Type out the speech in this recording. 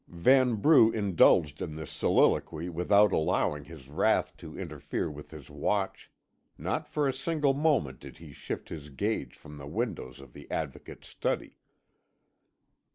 Vanbrugh indulged in this soliloquy without allowing his wrath to interfere with his watch; not for a single moment did he shift his gaze from the windows of the Advocate's study.